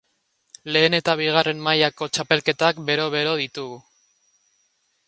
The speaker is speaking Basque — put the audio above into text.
Lehen eta bigarren mailako txapelketak bero-bero ditugu.